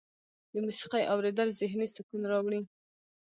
د موسیقۍ اوریدل ذهني سکون راوړي.